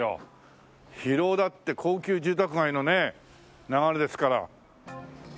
広尾だって高級住宅街のね流れですから。